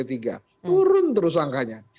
turun terus angkanya